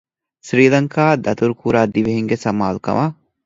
ސްރީލަންކާއަށް ދަތުރުކުރާ ދިވެހިންގެ ސަމާލުކަމަށް